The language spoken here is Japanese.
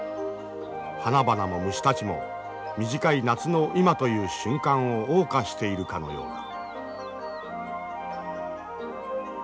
花々も虫たちも短い夏の今という瞬間をおう歌しているかのようだ。